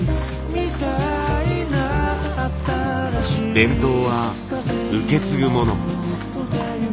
伝統は受け継ぐもの。